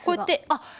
あっ！